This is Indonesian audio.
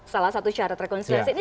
salah satu syarat rekonsiliasi ini